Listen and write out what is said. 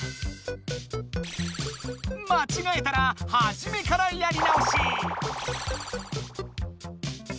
まちがえたらはじめからやり直し。